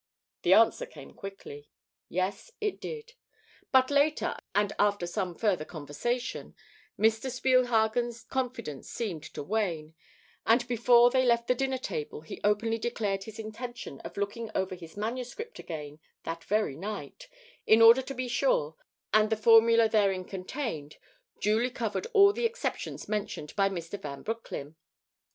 The answer came quickly. Yes, it did. But later and after some further conversation, Mr. Spielhagen's confidence seemed to wane, and before they left the dinner table, he openly declared his intention of looking over his manuscript again that very night, in order to be sure that the formula therein contained duly covered all the exceptions mentioned by Mr. Van Broecklyn.